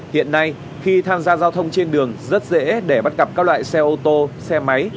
hiện nay khi tham gia giao thông trên đường rất dễ để bắt gặp các loại xe ô tô xe máy